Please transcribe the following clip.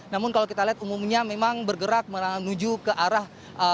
namun kalau kita lihat umumnya memang bergerak menuju ke arah